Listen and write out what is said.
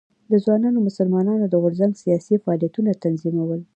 د ځوانو مسلمانانو د غورځنګ سیاسي فعالیتونه تنظیمول.